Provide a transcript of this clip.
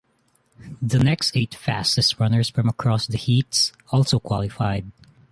The next eight fastest runners from across the heats also qualified.